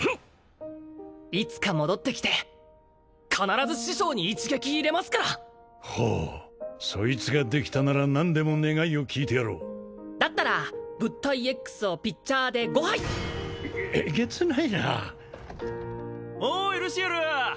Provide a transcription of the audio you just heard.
いつか戻ってきて必ず師匠に一撃入れますからほうそいつができたなら何でも願いを聞いてやろうだったら物体Ｘをピッチャーで５杯えげつないなおーいルシエル